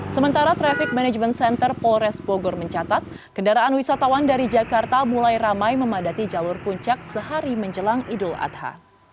sementara traffic management center polres bogor mencatat kendaraan wisatawan dari jakarta mulai ramai memadati jalur puncak sehari menjelang idul adha